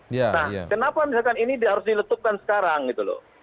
nah kenapa misalkan ini harus diletupkan sekarang gitu loh